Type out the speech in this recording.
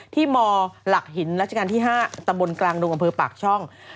มหลักหินรัชกาลที่๕ตำบลกลางดงอำเภอปากช่อง